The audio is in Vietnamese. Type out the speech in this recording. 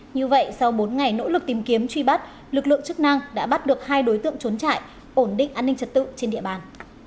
như vậy sau bốn ngày nỗ lực tìm kiếm truy bắt lực lượng chức năng đã bắt được hai đối tượng trốn trại ổn định an ninh trật tự trên địa bàn